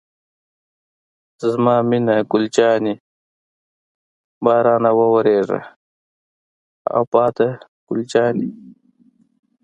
زما مینه ګل جانې، بارانه وورېږه او باده ګل جانې.